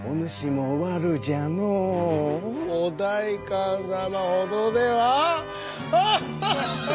お代官様ほどでは！